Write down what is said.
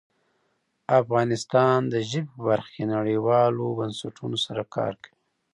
افغانستان د ژبې په برخه کې نړیوالو بنسټونو سره کار کوي.